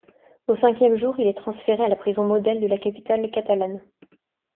Au cinquième jour il est transféré à la prison modèle de la capitale catalane.